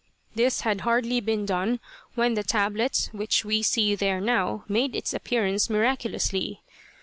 This had hardly been done when the tablet which we see there now made its appearance miraculously.